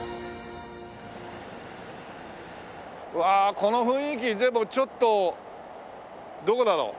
うわあこの雰囲気でもちょっとどうだろう？